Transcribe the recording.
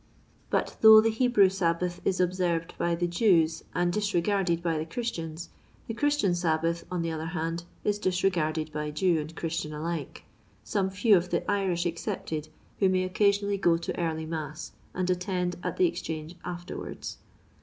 But though th« Hebrew Sabbath is observed by the Jews and disregarded by the Christians, the Christian Sabbath, on the other hand, is disregarded by Jew. and Christian alike, some few of the Irish ex cepted, who may occasionally go to early mass, and attend at the Exchange lUierwards.